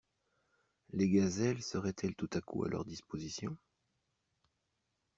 Les gazelles seraient-elles tout à coup à leur disposition?